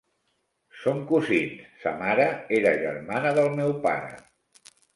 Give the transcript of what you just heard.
Som cosins: sa mare era germana del meu pare.